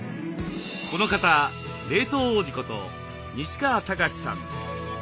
この方冷凍王子こと西川剛史さん。